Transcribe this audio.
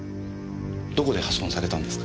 どこで破損されたんですか？